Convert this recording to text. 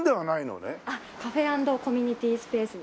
カフェアンドコミュニティスペースに。